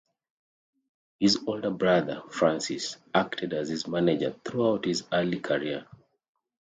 His older brother, Francis, acted as his manager throughout his early career.